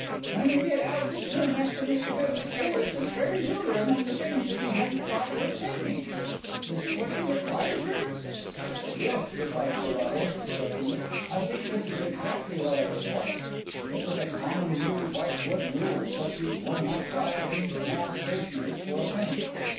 "When we did out this room after Mr Ghoosh, there was this very ruler among the things that he hadn't thought worth taking. This is what you require, sir?" "Yes," replied Carrados, accepting it, "I think this is exactly what I require." It was a common new white wood rule, such as one might buy at any small stationer's for a penny.